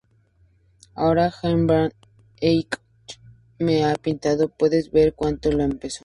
Ahora Jan van Eyck me ha pintado, Puedes ver cuando lo empezó.